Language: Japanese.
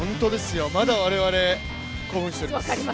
まだ我々、興奮しております。